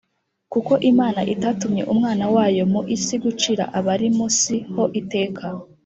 Kuko Imana itatumye Umwana wayo mu isi gucira abari mu si ho iteka: